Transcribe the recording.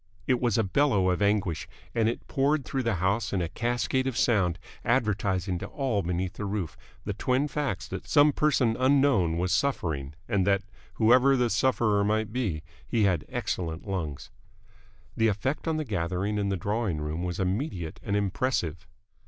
It was a bellow of anguish, and it poured through the house in a cascade of sound, advertising to all beneath the roof the twin facts that some person unknown was suffering and that whoever the sufferer might be he had excellent lungs. The effect on the gathering in the drawing room was immediate and impressive.